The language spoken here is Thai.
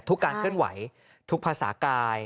การเคลื่อนไหวทุกภาษากาย